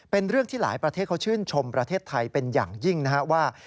เป็นเรื่องที่หลายประเทศเขาชื่นชมประเทศไทยเป็นอย่างยิ่งนะครับว่า